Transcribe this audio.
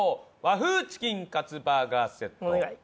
和風チキンカツバーガーセット